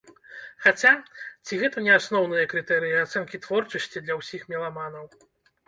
Хаця, ці гэта не асноўныя крытэрыі ацэнкі творчасці для ўсіх меламанаў.